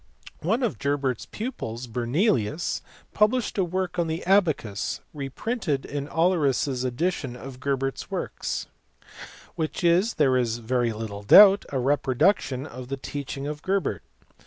One of Gerbert s pupils Bernelinus published a work on the abacus (reprinted in Olleris s edition of Gerbert s works, pp. 311 326) which is, there is very little doubt, a reproduction of the teaching of Gerberfc.